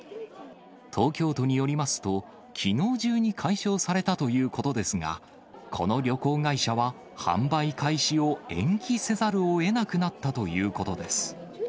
東京都によりますと、きのう中に解消されたということですが、この旅行会社は、販売開始を延期せざるをえなくなったということです。